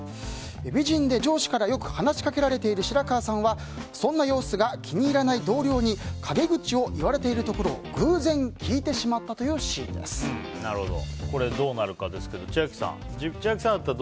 美人で上司からよく話しかけられている白川さんはそんな様子が気に入らない同僚に陰口を言われているところを偶然聞いてしまったというこれがどうなるか。